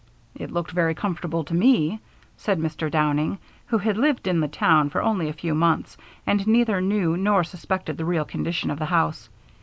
"It looked very comfortable to me," said Mr. Downing, who had lived in the town for only a few months and neither knew nor suspected the real condition of the house.